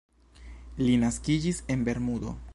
Li naskiĝis en Bermudo.